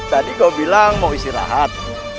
tadi kau bilang mau istirahat